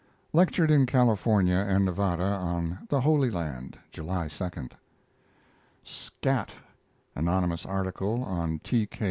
Lectured in California and Nevada on the "Holy Land," July 2. S'CAT! Anonymous article on T. K.